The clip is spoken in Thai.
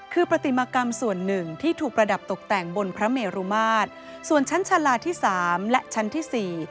คือปฏิมากรรมส่วนหนึ่งที่ถูกประดับตกแต่งบนพระเมรุมาตรส่วนชั้นชาลาที่สามและชั้นที่สี่